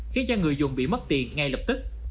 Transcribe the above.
khiến cho người dùng bị mất tiền ngay lập tức